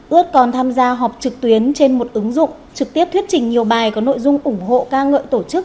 ướt còn tham gia họp trực tuyến trên một ứng dụng trực tiếp thuyết trình nhiều bài có nội dung ủng hộ ca ngợi tổ chức